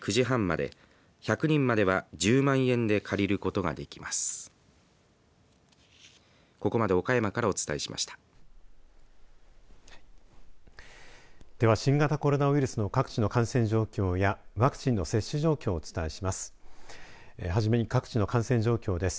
では新型コロナウイルスの各地の感染状況やワクチンの接種状況をお伝えします。